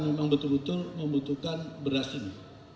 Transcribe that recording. memang betul betul membutuhkan beras ini